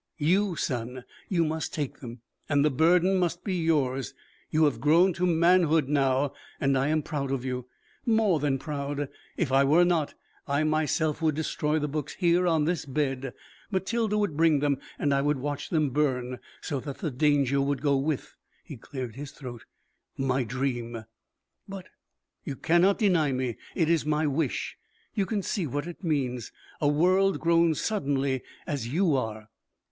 "You, son. You must take them, and the burden must be yours. You have grown to manhood now and I am proud of you. More than proud. If I were not, I myself would destroy the books here on this bed. Matilda would bring them and I would watch them burn so that the danger would go with " he cleared his throat "my dream." "But " "You cannot deny me. It is my wish. You can see what it means. A world grown suddenly as you are."